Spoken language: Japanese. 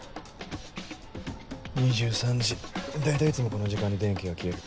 ２３時大体いつもこの時間に電気が消える。